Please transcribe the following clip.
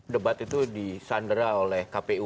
debat itu disandera oleh kpu